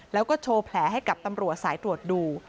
แล้วก็โชว์แผลให้กับตำรวจสายตรวจดู